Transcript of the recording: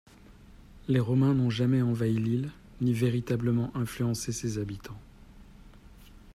Les Romains n'ont jamais envahi l'île ni véritablement influencé ses habitants.